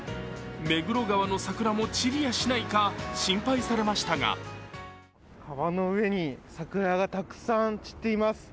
目黒川の桜も散りやしないか心配されましたが川の上に桜がたくさん散っています。